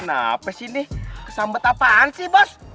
apa sih nih kesambet apaan sih bos